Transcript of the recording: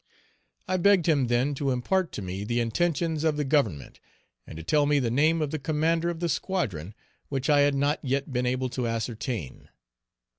I begged him then to impart to me the intentions of the Government, and to tell me the name of the commander of the squadron, which I had not yet been able to ascertain.